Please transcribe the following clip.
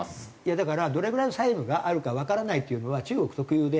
だからどれぐらいの債務があるかわからないっていうのは中国特有で。